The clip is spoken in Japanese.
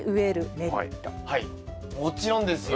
はいもちろんですよ。